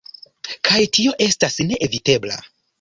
Kaj tio estas neevitebla.